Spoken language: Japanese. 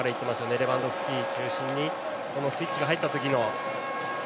レバンドフスキ中心にスイッチが入った時の。